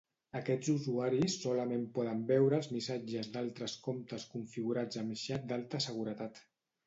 Aquests usuaris solament poden veure els missatges d'altres comptes configurats amb xat d'alta seguretat.